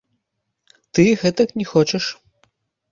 Ты і гэтак не хочаш?